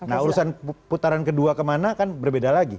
nah urusan putaran kedua kemana kan berbeda lagi